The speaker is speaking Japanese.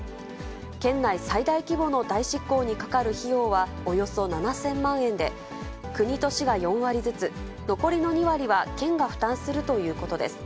県内最大規模の代執行にかかる費用はおよそ７０００万円で、国と市が４割ずつ、残りの２割は県が負担するということです。